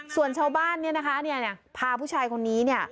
ส่วนชาวบ้านเนี่ยนะคะพาผู้ชายคนนี้เนี่ย